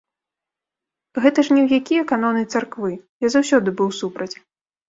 Гэта ж ні ў якія каноны царквы, я заўсёды быў супраць.